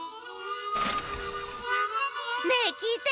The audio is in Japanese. ねえきいて！